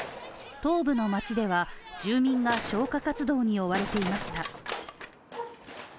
東部の街では住民が消火活動に追われていました。